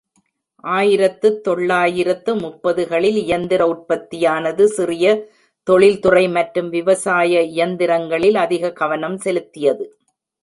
ஆயிரத்துத் தொள்ளாயிரத்து முப்பதுகளில் இயந்திர உற்பத்தியானது சிறிய தொழில்துறை மற்றும் விவசாய இயந்திரங்களில் அதிக கவனம் செலுத்தியது.